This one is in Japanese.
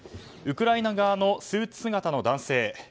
ウクライナ側のスーツ姿の男性